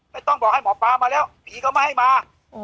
ไม่ต้องบอกให้หมอปลามาแล้วผีก็ไม่ให้มา